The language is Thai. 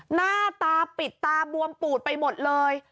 หน้าตาปิดตาบวมปูดไปหมดเลย